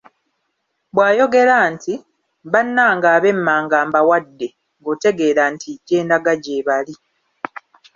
Bw'ayogera nti;"Bannange ab'emmanga mbawadde", ng'otegeera nti, gye ndaga gye bali.